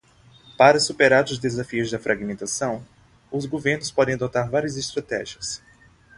Para superar os desafios da fragmentação, os governos podem adotar várias estratégias.